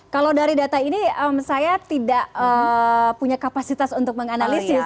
kalau dari data ini saya tidak punya kapasitas untuk menganalisis